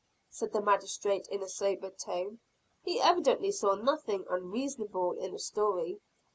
said the magistrate in a sobered tone. He evidently saw nothing unreasonable in the story.